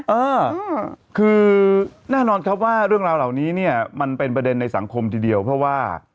เออคือแน่นอนครับว่าเรื่องราวเหล่านี้เนี่ยมันเป็นประเด็นในสังคมทีเดียวเพราะว่า